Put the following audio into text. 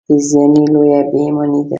بېزباني لویه بېايماني ده.